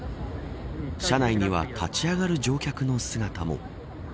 車内には立ち上がる乗客の姿も。